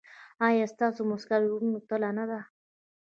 ایا ستاسو مسکا د زړه له تله نه ده؟